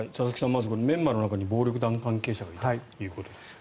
まずメンバーの中に暴力団関係者がいたということですが。